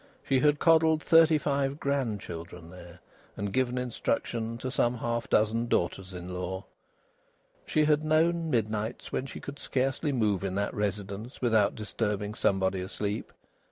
She had coddled thirty five grand children there, and given instruction to some half dozen daughters in law. She had known midnights when she could scarcely move in that residence without disturbing somebody asleep.